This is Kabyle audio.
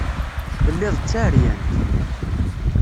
Telliḍ d taɛeryant.